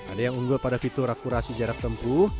ada yang unggul pada fitur akurasi jarak tempuh